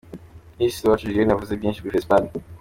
Minisitiri Uwacu Julienne yavuze byinshi kuri Fespad.